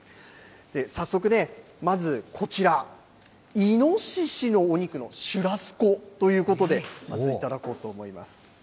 早速ね、まずこちら、イノシシのお肉のシュラスコということで、まず、頂こうと思います。